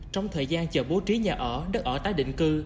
trong thời gian chờ bố trí nhà ở đất ở tái định cư